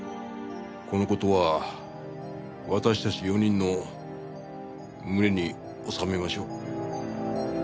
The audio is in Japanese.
この事は私たち４人の胸に納めましょう。